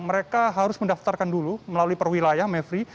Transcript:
mereka harus mendaftarkan dulu melalui perwilayah mevri